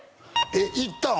えっ行ったん？